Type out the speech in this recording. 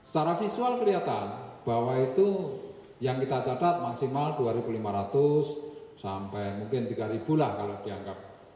secara visual kelihatan bahwa itu yang kita catat maksimal dua lima ratus sampai mungkin tiga lah kalau dianggap